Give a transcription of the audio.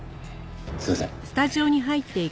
すいません。